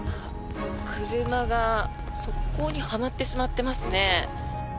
車が側溝にはまってしまっていますね。